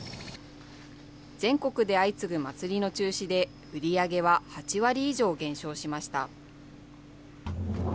全国で相次ぐ祭りの中止で、売り上げは８割以上減少しました。